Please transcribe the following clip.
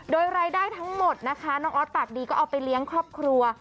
โดยรายได้ทั้งหมดนะคะน้องออสปากดีก็เอาไปเลี้ยงครอบครัว